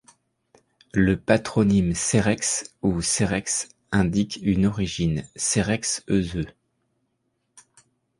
Le patronyme Cerexhe ou Serexhe indique une origine: Cerexhe-Heuseux.